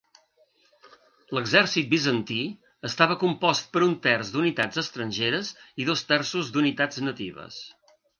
L'exèrcit bizantí estava compost per un terç d'unitats estrangeres i dos terços d'unitats natives.